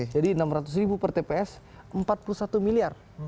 jadi enam ratus ribu per tps empat puluh satu miliar